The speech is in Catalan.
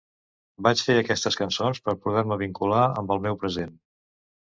Vaig fer aquestes cançons per poder-me vincular amb el meu present.